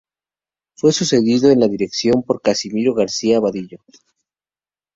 Fue sucedido en la dirección por Casimiro García-Abadillo.